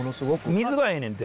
水がええねんて！